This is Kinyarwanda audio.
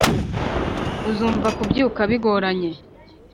uzumva kubyuka bigoranye